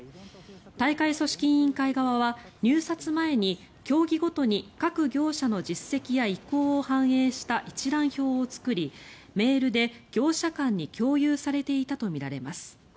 大会組織委員会側は入札前に競技ごとに各業者の実績や意向を反映した一覧表を作り、メールで業者間に共有されていたとみられます。